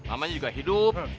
aman juga hidup